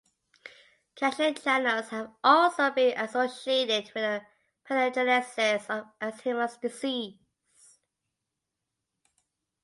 Cation channels have also been associated with the pathogenesis of Alzheimer’s Disease.